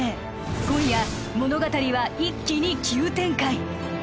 今夜物語は一気に急展開